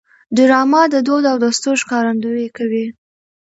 ډرامه د دود او دستور ښکارندویي کوي